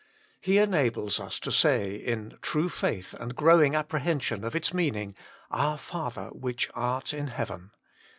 He enables us to say, in true faith and growing appre hension of its meaning, Our Father which art in heaven.